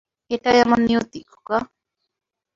এটাই আমার নিয়তি, খোকা।